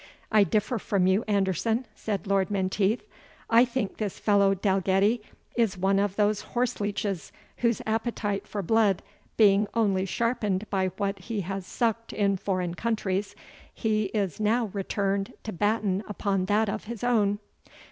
"I differ from you, Anderson," said Lord Menteith; "I think this fellow Dalgetty is one of those horse leeches, whose appetite for blood being only sharpened by what he has sucked in foreign countries, he is now returned to batten upon that of his own.